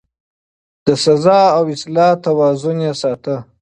د سزا او اصلاح توازن يې ساته.